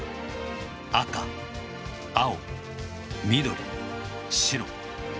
赤青緑白。